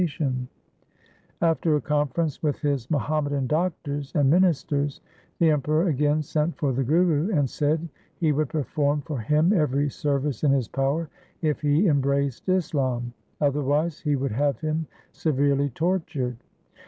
3 8o THE SIKH RELIGION After a conference with his Muhammadan doctors and ministers the Emperor again sent for the Guru, and said he would perform for him every service in his power if he embraced Islam, otherwise he would have him severely tortured.